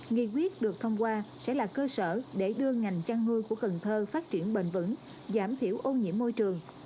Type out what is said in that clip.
nghị quyết được thông qua sẽ là cơ sở để đưa ngành chăn nuôi của cần thơ phát triển bền vững giảm thiểu ô nhiễm môi trường